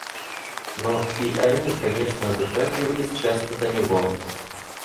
Но и они, конечно, затрагивались часто до него.